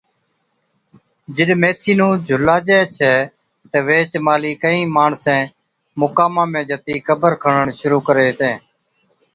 جِڏ ميٿِي نُون جھُلاجَي ڇَي تہ ويھِچ مھلِي ڪھِين ماڻسين مُقاما ۾ جتِي قبر کڻڻ شرُوع ڪري ھِتين